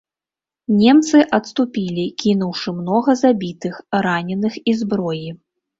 Немцы адступілі, кінуўшы многа забітых, раненых і зброі.